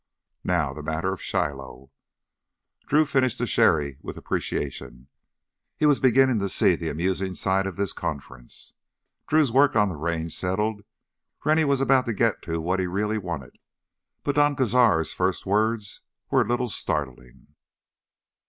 "Now, the matter of Shiloh..." Drew finished the sherry with appreciation. He was beginning to see the amusing side of this conference. Drew's work on the Range settled, Rennie was about to get to what he really wanted. But Don Cazar's first words were a little startling.